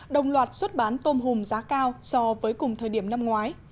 đồng loạt xuất bán tôm hùm giá cao so với cùng thời điểm năm ngoái